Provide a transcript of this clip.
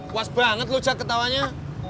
kuas banget lo jack ketawanya